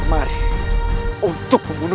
kita tidak kerel